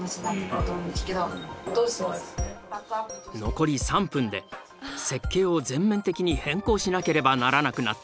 残り３分で設計を全面的に変更しなければならなくなった。